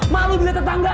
malu dia tetangga